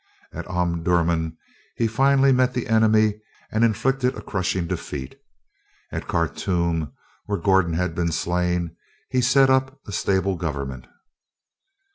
At Omdurman he finally met the enemy and inflicted a crushing defeat. At Khartoum, where Gordon had been slain, he set up a stable government.